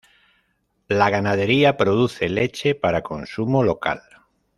La ganadería produce leche para consumo local.